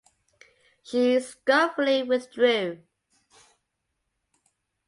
She scornfully withdrew.